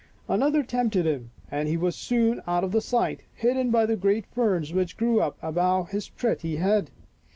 73 Another tempted him and he was soon out of sight, hidden by the great ferns which grew up above his pretty head.